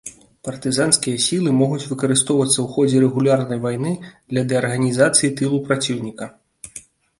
Партызанскія сілы могуць выкарыстоўвацца ў ходзе рэгулярнай вайны для дэзарганізацыі тылу праціўніка.